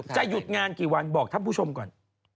หยุดงานกี่วันบอกท่านผู้ชมก่อน